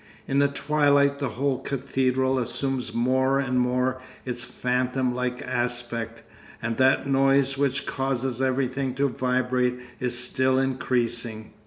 In the twilight the whole cathedral assumes more and more its phantom like aspect, and that noise which causes everything to vibrate is still increasing.